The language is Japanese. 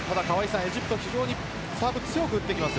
エジプトは非常にサーブを強く打ってきます。